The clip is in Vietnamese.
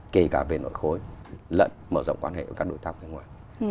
kể cả về nội khối lẫn mở rộng quan hệ với các đối tác bên ngoài